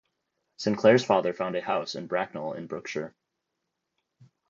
Sinclair's father found a house in Bracknell in Berkshire.